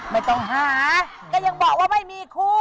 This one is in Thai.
ไม่ต้องหาก็ยังบอกว่าไม่มีคู่